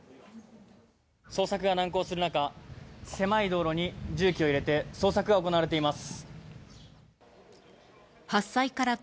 捜索が難航する中、せまい道路に重機を入れて捜索が行われています。